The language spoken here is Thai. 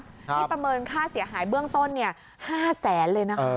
ที่ประเมินค่าเสียหายเบื้องต้น๕แสนเลยนะคะ